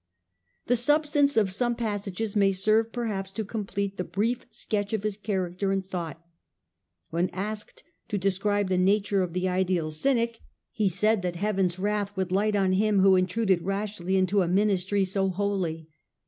The substance of some passages may serve perhaps to complete the brief sketch of his character and thought. Diss iii 22 When asked to describe the nature of the ideal Cynic, he said that heaven^s wrath would light on him who intruded rashly into a ministry so holy.